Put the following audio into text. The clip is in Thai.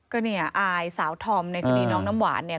ก็เนี่ยอายสาวธอมในคดีน้องน้ำหวานเนี่ย